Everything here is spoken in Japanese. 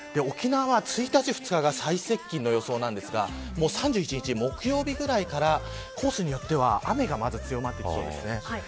１日、２日が最接近の予想ですが３１日木曜日ぐらいからコースによっては雨が強まってきそうです。